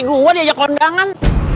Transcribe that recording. gue di ajak ke undangan